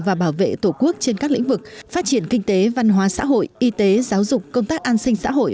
và bảo vệ tổ quốc trên các lĩnh vực phát triển kinh tế văn hóa xã hội y tế giáo dục công tác an sinh xã hội